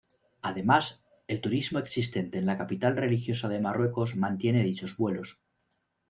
Además, el turismo existente en la capital religiosa de Marruecos mantiene dichos vuelos.